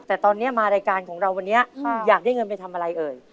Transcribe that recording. แต่ตอนนี้มารายการของเราวันนี้อยากได้เงินไปทำอะไรเอ่ย